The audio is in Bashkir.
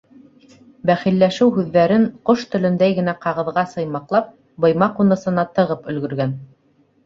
Бәхилләшеү һүҙҙәрен, ҡош телендәй генә ҡағыҙға сыймаҡлап, быйма ҡунысына тығып өлгөргән.